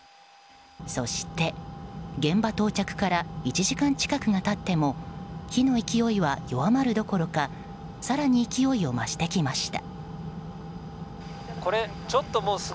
そして現場到着から１時間近くが経っても火の勢いは弱まるどころか更に勢いを増してきました。